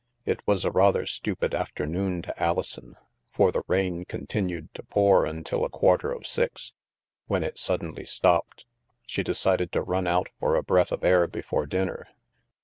It was a rather stupid afternoon to Alison, for the rain continued to pour until a quarter of six, when it suddenly stopped. She decided to run out for a breath of air before dinner.